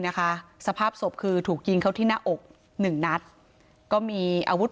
นะคะสภาพศพคือถูกยิงเขาที่หน้าอกหนึ่งนัดก็มีอาวุธ